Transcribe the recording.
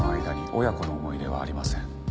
親子の思い出はありません。